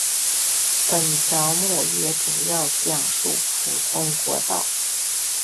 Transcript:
本条目也主要讲述普通国道。